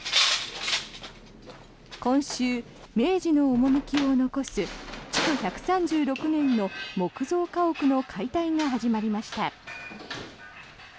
今週、明治の趣を残す築１３６年の木造家屋の解体が始まりました。